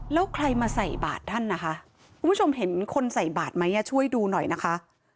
แล้วใครมาใส่บาทท่านนะคะคุณผู้ชมเห็นคนใส่บาทไหมช่วยดูหน่อยนะคะ